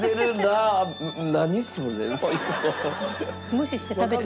無視して食べて。